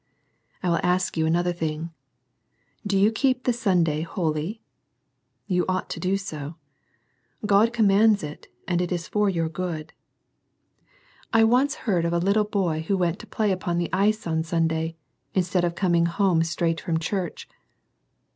I will ask you another thing, — Do you keep the Sunday holy? You ought to do so. God commands it, and it is for your good. I once heard of a little boy who went to play upon the ice on Sunday, instead of coming home straight from church.